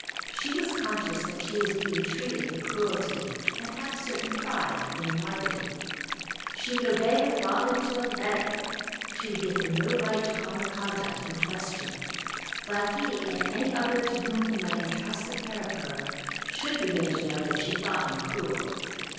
She was conscious that she was being treated with cruelty, and had a certain pride in her martyrdom. She would obey her father to the letter; she would give him no right to call her conduct in question; but he and any other to whom he might entrust the care of her, should be made to know that she thought him cruel.